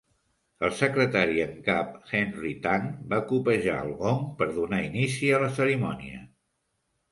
El secretari en cap Henry Tang va copejar el gong per donar inici al a cerimònia.